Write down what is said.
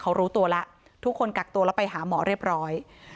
เขารู้ตัวแล้วทุกคนกักตัวแล้วไปหาหมอเรียบร้อย